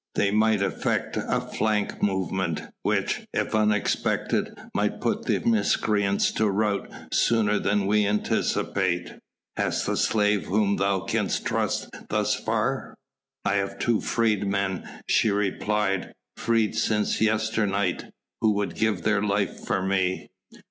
They might effect a flank movement, which, if unexpected, might put the miscreants to rout sooner than we anticipate. Hast a slave whom thou canst trust thus far?" "I have two freedmen," she replied, "free since yesternight, who would give their life for me."